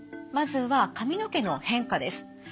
まずは髪の毛の変化です。